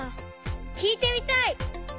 きいてみたい！